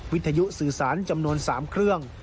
วิทยุสื่อสารจำนวน๓เครื่อง